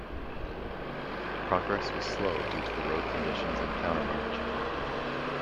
Progress was slow due to the road conditions and countermarch.